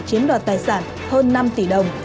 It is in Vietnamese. chiếm đoạt tài sản hơn năm tỷ đồng